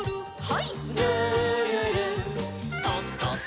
はい。